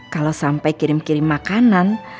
kalau sampai kirim kirim makanan